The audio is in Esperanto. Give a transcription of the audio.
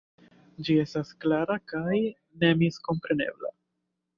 Ĝi estas klara kaj nemiskomprenebla.